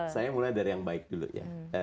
saya mulai dari yang baik dulu ya